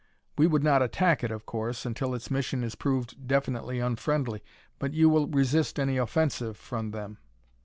We would not attack it, of course, until its mission is proved definitely unfriendly, but you will resist any offensive from them.